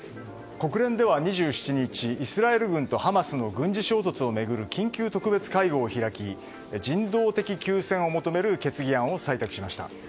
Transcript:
国連では２７日イスラエル軍とハマスの軍事衝突をめぐる急会議を開き人道的休戦を求める決議案を採択しました。